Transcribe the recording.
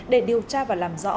để điều tra và làm rõ